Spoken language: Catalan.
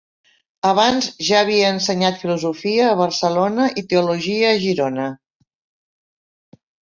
Abans ja havia ensenyat filosofia a Barcelona i teologia a Girona.